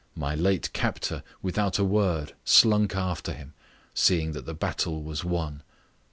My late captor, without a word, slunk after him, seeing that the battle was won.